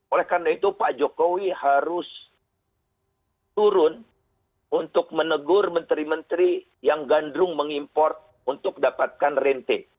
oleh karena itu pak jokowi harus turun untuk menegur menteri menteri yang gandrung mengimpor untuk dapatkan rente